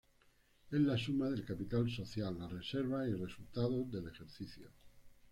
Es la suma del capital social, las reservas y resultados del ejercicio.